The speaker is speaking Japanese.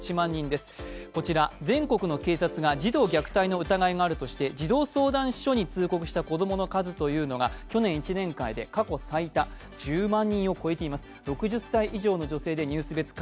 こちら、全国の警察が児童虐待の疑いがあるとして児童相談所に通告した子供の数が去年１年間で過去最多、１０万人を超えています。